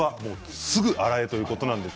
すぐ洗えということでした。